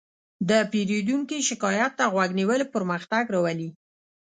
د پیرودونکي شکایت ته غوږ نیول پرمختګ راولي.